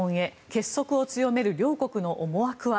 結束を強める両国の思惑は。